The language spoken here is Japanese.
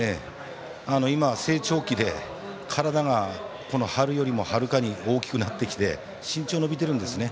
今、成長期で体が春よりもはるかに大きくなってきて身長も伸びているんですね。